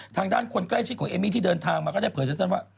ทางด้านคนใกล้ชิดของเอมมี่ที่เดินทางมาก็ได้เผยสั้นว่า